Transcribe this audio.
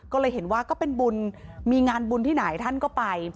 ก็เลยเห็นว่าก็เป็นบุญมีงานบุญที่ไหนท่านก็ไป